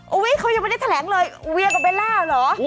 อุ๊ยเขายังไม่ได้แถลงเลยเวียกับเบลล่าเหรอ